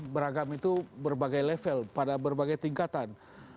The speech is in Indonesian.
beragam itu berbagai level pada berbagai tingkatan